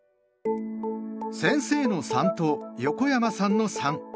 先生の「三」と横山さんの「三」。